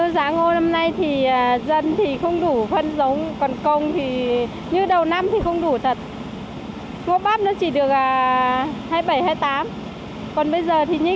với những nương ngô khô héo người dân chỉ thu hoạch cầm trừng mà không thu hoạch ổ ạt